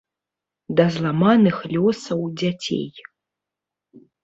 Да зламаных лёсаў дзяцей.